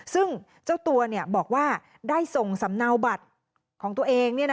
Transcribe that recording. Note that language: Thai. ซึ่งเจ้าตัวบอกว่าได้ส่งสำเนาบัตรของตัวเอง